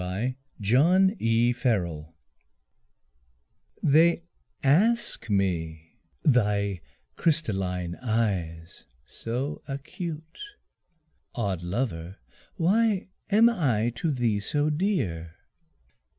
Autumn Song They ask me thy crystalline eyes, so acute, "Odd lover why am I to thee so dear?"